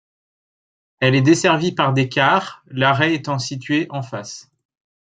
Elle est desservie par des cars, l'arrêt étant situé en face.